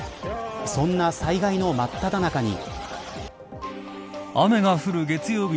そんな災害のまっただ中に。